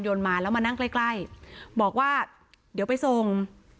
มาแล้วมานั่งใกล้ใกล้บอกว่าเดี๋ยวไปส่ง